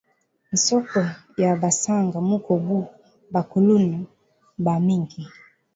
Nsoko ya basanga muko ba kuluna ba mingi